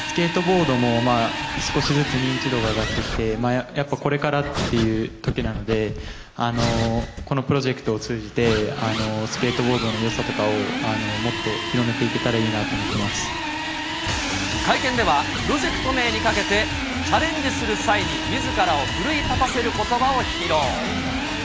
スケートボードも少しずつ認知度が上がってきて、やっぱこれからっていうときなので、このプロジェクトを通じて、スケートボードのよさとかをもっと広めていけたらいいなと思って会見では、プロジェクト名にかけて、チャレンジする際にみずからを奮い立たせることばを披露。